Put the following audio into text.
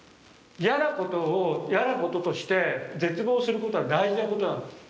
嫌なことを嫌なこととして絶望することは大事なことなの。